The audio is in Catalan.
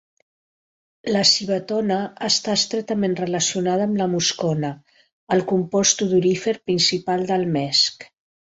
La civetona està estretament relacionada amb la muscona, el compost odorífer principal del mesc.